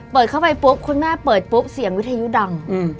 เปิดเข้าไปปุ๊บคุณแม่เปิดปุ๊บเสียงวิทยุดัง